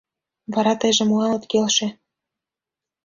Вара тыйже молан от келше?